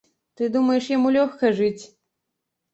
Ты думаеш, яму лёгка жыць?